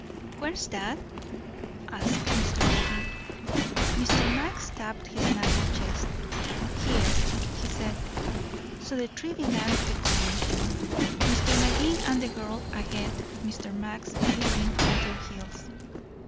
"Where's that?" asked Mr. Magee. Mr. Max tapped his narrow chest. "Here," he said. So the three began the climb, Mr. Magee and the girl ahead, Mr. Max leering at their heels.